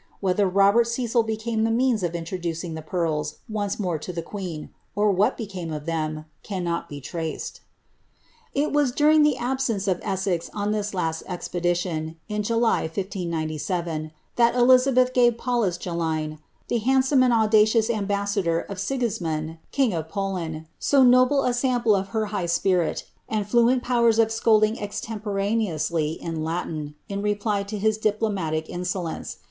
Whether Robert Cecil became the means of intri the pearls once more to ihe queen, or what became of them, cai It was during the absence of Esses on tliis last expedition, i Int)7. that Elizabeth gave Pauliis Jaline. the handsome and aui ambassador of Si!,'ismund. king of Poland, «o notable a sample high Bpirii and fluent powers of scolding extcniporaneotistv in L reply to his diplomatic insolence.